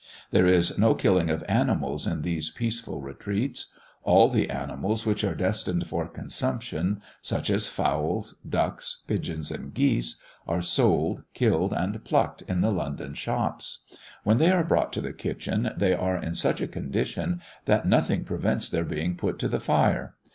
There is no killing of animals in these peaceful retreats. All the animals which are destined for consumption, such as fowls, ducks, pigeons, and geese, are sold, killed, and plucked in the London shops. When they are brought to the kitchen, they are in such a condition, that nothing prevents their being put to the fire.